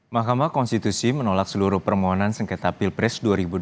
mahkamah konstitusi menolak seluruh permohonan sengketa pilpres dua ribu dua puluh